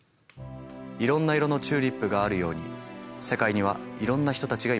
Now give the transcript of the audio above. いろんな色のチューリップがあるように世界にはいろんな人たちがいます。